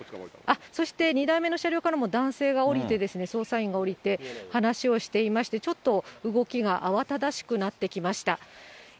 そして２台目の車両からも男性が降りて、捜査員が降りて、話をしていまして、ちょっと、動きが慌ただしくなってきました。